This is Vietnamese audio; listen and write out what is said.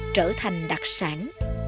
trở thành đặc sản